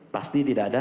pasti tidak ada